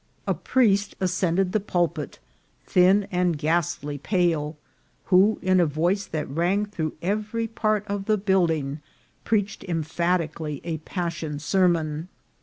A priest ascended the pulpit, thin and ghastly pale, who, in a voice that rang through every part of the building, preached emphatically a passion sermon.